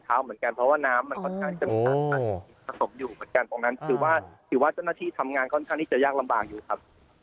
ถือว่าเจ้าหน้าที่ทำงานค่อนข้างนี้จะยากลำบากอยู่ครับ